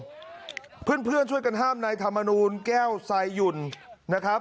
เพื่อนเพื่อนช่วยกันห้ามนายธรรมนูลแก้วไซหยุ่นนะครับ